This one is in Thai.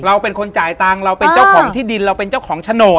เราเป็นคนจ่ายตังค์เราเป็นเจ้าของที่ดินเราเป็นเจ้าของโฉนด